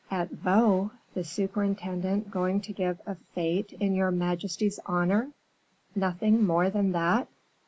"At Vaux! the superintendent going to give a fete in your majesty's honor? Nothing more than that!"